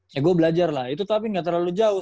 ya gue belajar lah itu tapi gak terlalu jauh